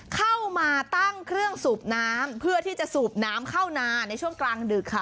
เข้ามาตั้งเครื่องสูบน้ำเพื่อที่จะสูบน้ำเข้านาในช่วงกลางดึกค่ะ